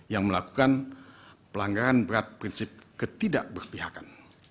yang melakukan pelanggaran berat prinsip ketidakberpihakan